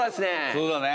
そうだね。